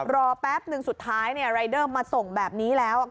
แป๊บนึงสุดท้ายรายเดอร์มาส่งแบบนี้แล้ว